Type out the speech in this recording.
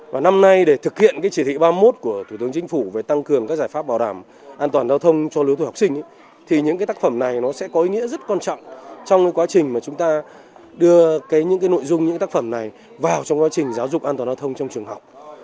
và năm nay để thực hiện cái chỉ thị ba mươi một của thủ tướng chính phủ về tăng cường các giải pháp bảo đảm an toàn giao thông cho lứa tuổi học sinh thì những cái tác phẩm này nó sẽ có ý nghĩa rất quan trọng trong cái quá trình mà chúng ta đưa những cái nội dung những tác phẩm này vào trong quá trình giáo dục an toàn giao thông trong trường học